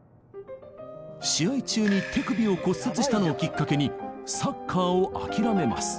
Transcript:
試合中に手首を骨折したのをきっかけにサッカーを諦めます。